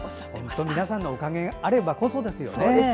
本当皆さんのおかげあればこそですよね。